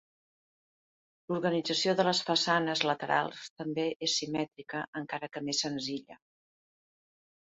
L'organització de les façanes laterals també és simètrica, encara que més senzilla.